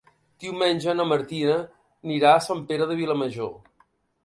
Diumenge na Martina anirà a Sant Pere de Vilamajor.